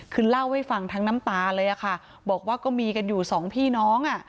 คือเล่าให้ฟังทั้งน้ำตาเลยค่ะบอกว่าก็มีกันอยู่สองพี่น้อง